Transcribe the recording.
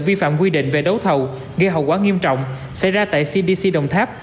vi phạm quy định về đấu thầu gây hậu quả nghiêm trọng xảy ra tại cdc đồng tháp